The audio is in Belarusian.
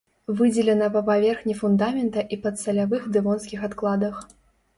Выдзелена па паверхні фундамента і падсалявых дэвонскіх адкладах.